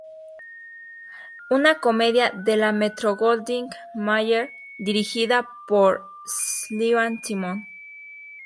Una comedia de la Metro-Goldwyn-Mayer, dirigida por S. Sylvan Simon.